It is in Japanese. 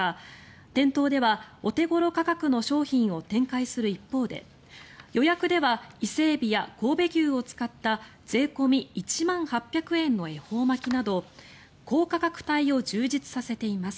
店頭ではお手頃価格の商品を展開する一方で予約では伊勢エビや神戸牛を使った税込み１万８００円の恵方巻きなど高価格帯を充実させています。